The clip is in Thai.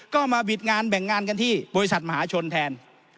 ก็มาบิดงานแบ่งงานกันที่บริษัทมหาชนแทน